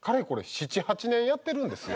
７８年やってるんですよ。